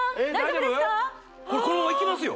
これこのままいきますよ？